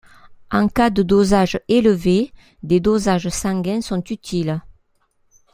En cas de dosages élevés, des dosages sanguins sont utiles.